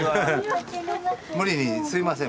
無理にすいません。